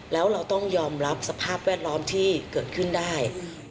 แล้วเราต้องยอมรับสภาพแวดล้อมที่เกิดขึ้นได้